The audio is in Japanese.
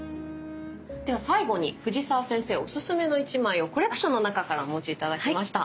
では最後に藤澤先生オススメの一枚をコレクションの中からお持ち頂きました。